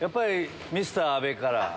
ミスター阿部から。